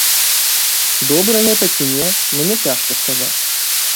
Добра гэта ці не, мне цяжка сказаць.